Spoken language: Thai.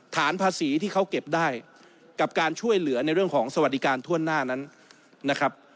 ฐานภาษีที่เขาเก็บได้กับการช่วยเหลือในเรื่องของสวัสดิการทั่วหน้านั้นนะครับ